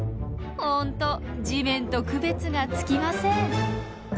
ほんと地面と区別がつきません。